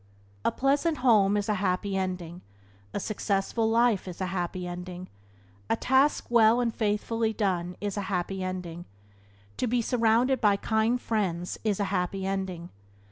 A pleasant home is a happy ending; a successful life is a happy ending; a task well and faithfully done is a happy ending; to be surrounded by kind friends is a happy ending.